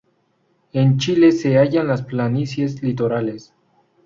En Chile se hallan las planicies litorales.